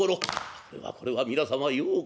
「これはこれは皆様ようこ